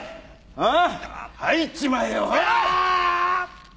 ああ。